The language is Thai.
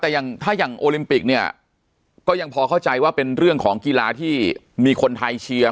แต่อย่างถ้าอย่างโอลิมปิกเนี่ยก็ยังพอเข้าใจว่าเป็นเรื่องของกีฬาที่มีคนไทยเชียร์